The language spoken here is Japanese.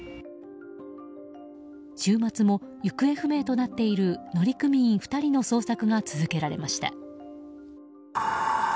週末も、行方不明となっている乗組員２人の捜索が続けられました。